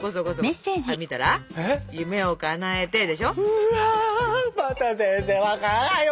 うわまた全然分からないよ。